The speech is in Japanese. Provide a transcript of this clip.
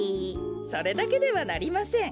それだけではなりません。